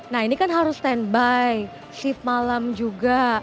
nah ini kan harus standby shift malam juga